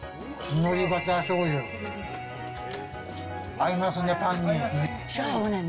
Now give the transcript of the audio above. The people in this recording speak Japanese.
合いますね、パンに。